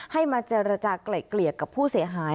ให้มาจรรจาเกลียดกับผู้เสียหาย